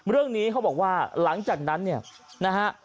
เรื่องนี้เขาบอกว่าหลังจากนั้นเนี่ยนะฮะ